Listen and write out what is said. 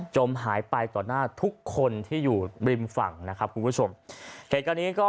จมหายไปต่อหน้าทุกคนที่อยู่ริมฝั่งนะครับคุณผู้ชมเหตุการณ์นี้ก็